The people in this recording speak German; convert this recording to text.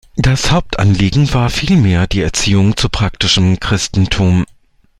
Das Hauptanliegen war vielmehr die Erziehung zu praktischem Christentum.